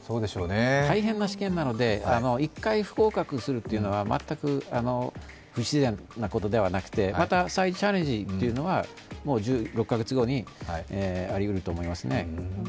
大変な試験なので、１回不合格するというのは全く不自然なことではなくてまた再チャレンジが６カ月後にあるうると思いますね。